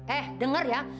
eh denger ya